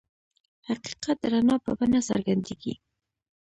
حقیقت د رڼا په بڼه څرګندېږي.